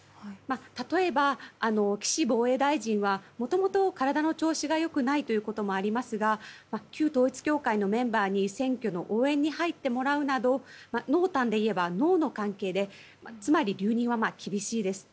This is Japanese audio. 例えば、岸防衛大臣はもともと体の調子が良くないということもありますが旧統一教会のメンバーに選挙の応援に入ってもらうなど濃淡でいえば濃の関係でつまり、留任は厳しいです。